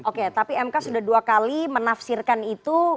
oke tapi mk sudah dua kali menafsirkan itu